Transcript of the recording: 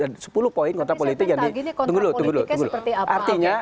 tapi saat ini kontrak politiknya seperti apa